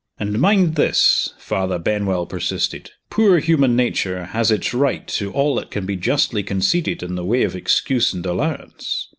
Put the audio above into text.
"And mind this," Father Benwell persisted, "poor human nature has its right to all that can be justly conceded in the way of excuse and allowance.